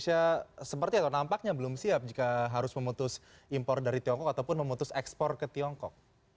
indonesia seperti itu nampaknya belum siap jika harus memutus impor dari tiongkok ataupun memutus ekspor ke tiongkok